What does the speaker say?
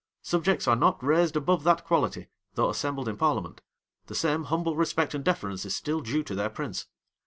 Subjects are not raised above that quality, though assembled in parliament. The same humble respect and deference is still due to their prince.